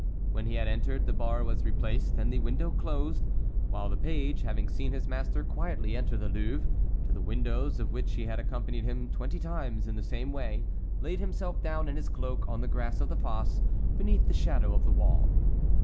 When he had entered, the bar was replaced and the window closed, while the page, having seen his master quietly enter the Louvre, to the windows of which he had accompanied him twenty times in the same way, laid himself down in his cloak on the grass of the fosse, beneath the shadow of the wall.